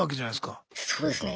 そうですね。